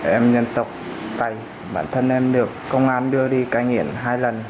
em dân tộc tây bản thân em được công an đưa đi cài nghiện hai lần